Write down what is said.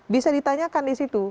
bisa ditanyakan di situ